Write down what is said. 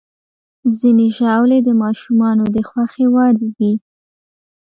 ځینې ژاولې د ماشومانو د خوښې وړ وي.